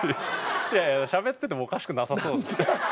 いやいやしゃべっててもおかしくなさそう。